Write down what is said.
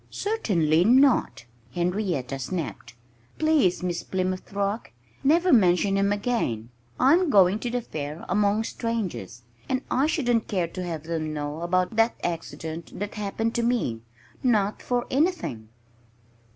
"Certainly not!" Henrietta snapped. "Please Miss Plymouth Rock never mention him again! I'm going to the fair, among strangers. And I shouldn't care to have them know about that accident that happened to me not for anything!"